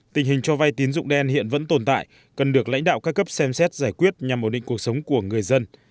tình hình cho vay tín dụng đen hiện vẫn tồn tại cần được lãnh đạo ca cấp xem xét giải quyết nhằm ổn định cuộc sống của người dân